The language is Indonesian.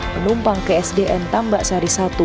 enam menumpang ke sdn tambak sari satu